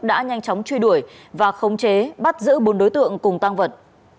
đã nhanh chóng truy đuổi và khống chế bắt giữ bốn đối tượng cùng tăng vật